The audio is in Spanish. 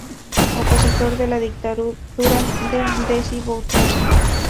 Opositor a la dictadura de Desi Bouterse.